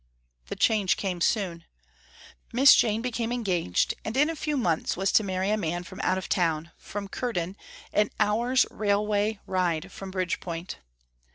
The change came very soon. Miss Jane became engaged and in a few months was to marry a man from out of town, from Curden, an hour's railway ride from Bridgepoint.